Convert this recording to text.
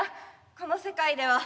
この世界では。